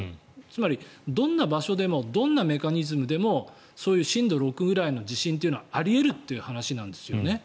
つまり、どんな場所でもどんなメカニズムでもそういう震度６ぐらいの地震というのはあり得るという話なんです。